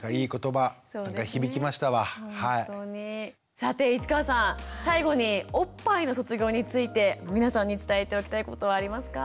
さて市川さん最後におっぱいの卒業について皆さんに伝えておきたいことはありますか？